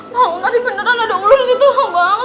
bang tadi beneran ada ular di tuang bang